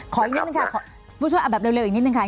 ขออีกนิดหนึ่งค่ะผู้ช่วยแบบเร็วอีกนิดหนึ่งค่ะ